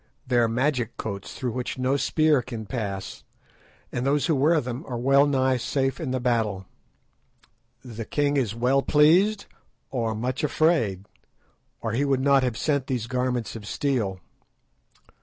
They are magic coats through which no spear can pass, and those who wear them are well nigh safe in the battle. The king is well pleased or much afraid, or he would not have sent these garments of steel.